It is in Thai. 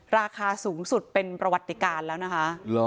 ราคาสูงสุดเป็นประวัติการแล้วนะคะ